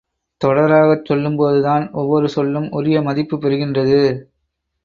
தொடராகச் சொல்லும் போது தான் ஒவ்வொரு சொல்லும் உரிய மதிப்பு பெறுகின்றது.